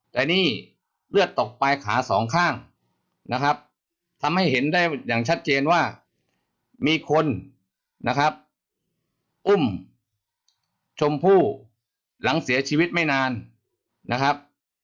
แต่นี่เลือดตกปลายขาสองข้างนะครับทำให้เห็นได้อย่างชัดเจนว่ามีคนนะครับอุ้มชมพู่หลังเสียชีวิตไม่นานนะครับ